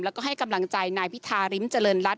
แล้วก็ให้กำลังใจนายพิธาริมเจริญรัฐ